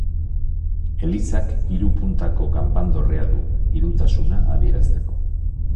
Elizak hiru puntako kanpandorrea du, Hirutasuna adierazteko.